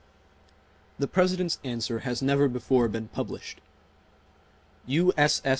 The President's answer has never before been published: U. S. S.